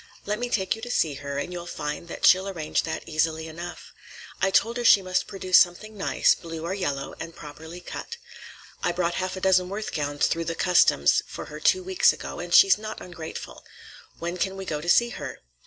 Let me take you to see her, and you'll find that she'll arrange that easily enough. I told her she must produce something nice, blue or yellow, and properly cut. I brought half a dozen Worth gowns through the customs for her two weeks ago, and she's not ungrateful. When can we go to see her?"